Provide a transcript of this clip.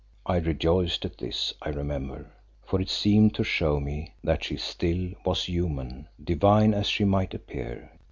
I rejoiced at this I remember, for it seemed to show me that she still was human, divine as she might appear.